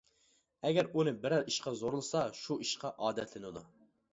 ئەگەر ئۇنى بىرەر ئىشقا زورلىسا, شۇ ئىشقا ئادەتلىنىدۇ.